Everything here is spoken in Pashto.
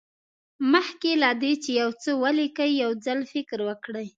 مخکې له دې چې یو څه ولیکئ یو ځل فکر وکړئ.